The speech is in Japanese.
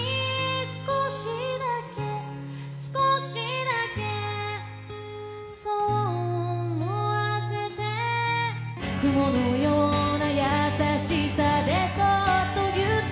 「少しだけ少しだけそう思わせて」「雲のような優しさでそっとぎゅっと」